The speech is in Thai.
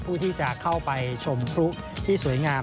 ผู้ที่จะเข้าไปชมพลุที่สวยงาม